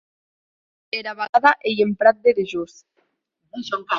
Era vacada ei en prat de dejós.